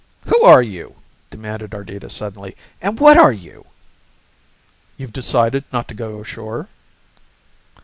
"Who are you?" demanded Ardita suddenly. "And what are you?" "You've decided not to go ashore?"